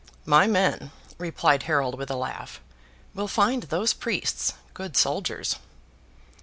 'My men,' replied Harold, with a laugh, 'will find those priests good soldiers!